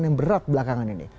yang berat belakangan ini